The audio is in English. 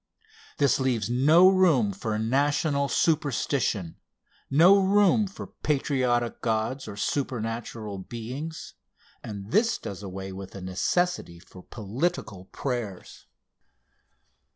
This leaves no room for national superstition no room for patriotic gods or supernatural beings and this does away with the necessity for political prayers.